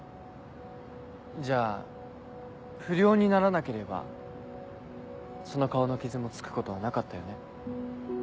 じゃあ不良にならなければその顔の傷もつくことはなかったよね。